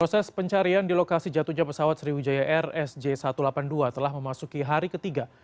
proses pencarian di lokasi jatuhnya pesawat sriwijaya air sj satu ratus delapan puluh dua telah memasuki hari ketiga